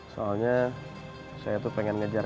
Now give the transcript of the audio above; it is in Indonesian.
soalnya saya tuh pengen ngejar